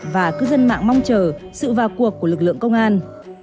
và cư dân mạng mong chờ sự vào cuộc của lực lượng công an